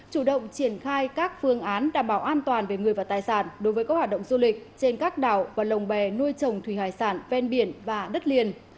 chủ động triển khai các phương án đảm bảo an toàn về người và tài sản đối với các hoạt động du lịch trên các đảo và lồng bè nuôi trồng thủy hải sản ven biển và đất liền